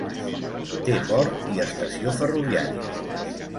Té port i estació ferroviària.